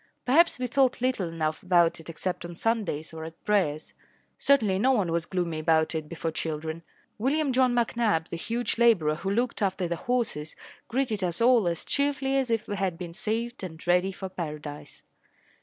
Perhaps we thought little enough about it except on Sundays or at prayers. Certainly no one was gloomy about it before children. William John McNabb, the huge labourer who looked after the horses, greeted us all as cheerfully as if we had been saved and ready for paradise.